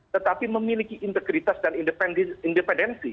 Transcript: tetapi memiliki integritas dan independensi